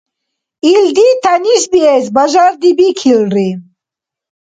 Илди тянишбиэс бажардибикилри.